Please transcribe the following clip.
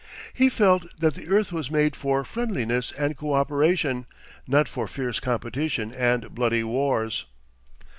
He felt that the earth was made for friendliness and coöperation, not for fierce competition and bloody wars.